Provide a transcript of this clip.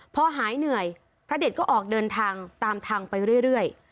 พอหายเหนื่อยพระเด็ดก็ออกเดินทางตามทางไปเรื่อย